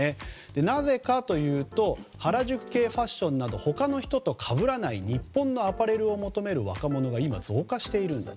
なぜかというと原宿系ファッションなど他の人とかぶらない日本のアパレルを求める若者の方が今、増加しているんだと。